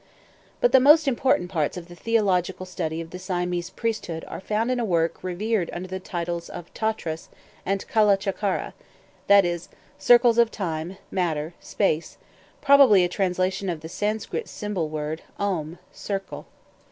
But the most important parts of the theological study of the Siamese priesthood are found in a work revered under the titles of "Tautras" and "Kala Chakara," that is, "Circles of Time, Matter, Space"; probably a translation of the Sanskrit symbolic word, Om, "Circle."